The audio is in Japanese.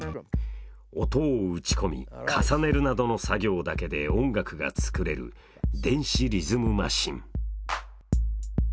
音を打ち込み、重ねるなどの作業だけで音楽が作れる、電子リズムマシン。